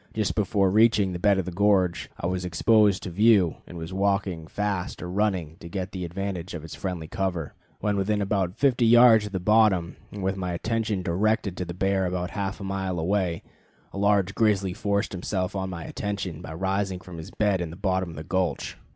Just before reaching the bed of the gorge I was exposed to view, and was walking fast or running to get the advantage of its friendly cover. When within about fifty yards of the bottom, and with my attention directed to the bear about half a mile away, a large grizzly forced himself on my attention by rising from his bed in the bottom of the gulch.